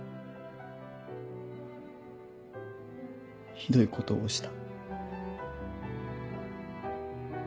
ひどいことをした。